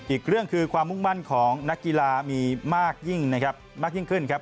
อีกเรื่องคือความมุ่งมั่นของนักกีฬามีมากยิ่งนะครับ